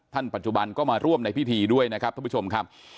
ปัจจุบันก็มาร่วมในพิธีด้วยนะครับท่านผู้ชมครับ